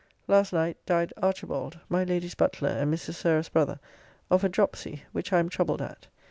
Last night died Archibald, my Lady's butler and Mrs. Sarah's brother, of a dropsy, which I am troubled at.